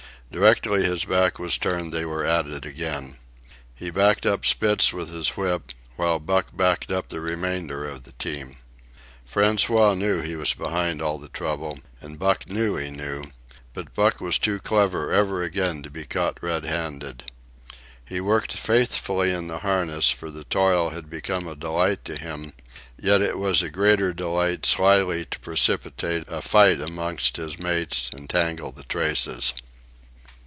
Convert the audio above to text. Directly his back was turned they were at it again. He backed up Spitz with his whip, while Buck backed up the remainder of the team. François knew he was behind all the trouble, and Buck knew he knew; but Buck was too clever ever again to be caught red handed. He worked faithfully in the harness, for the toil had become a delight to him; yet it was a greater delight slyly to precipitate a fight amongst his mates and tangle the traces.